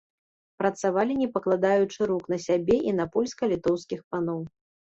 Працавалі не пакладаючы рук на сябе і на польска-літоўскіх паноў.